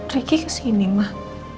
riki kesini mah